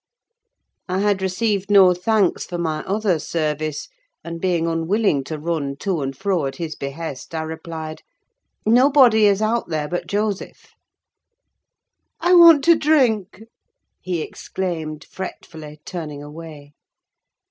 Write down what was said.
I had received no thanks for my other service; and being unwilling to run to and fro at his behest, I replied— "Nobody is out there but Joseph." "I want to drink," he exclaimed fretfully, turning away.